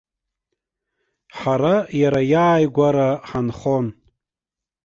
Ҳара иара иааигәара ҳанхон.